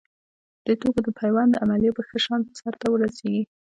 په دې توګه د پیوند عملیه په ښه شان سر ته ورسېږي.